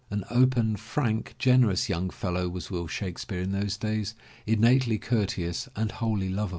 An open, frank, gen erous young fellow was Will Shake speare in those days, innately cour teous and wholly lovable.